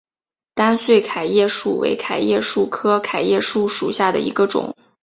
单穗桤叶树为桤叶树科桤叶树属下的一个种。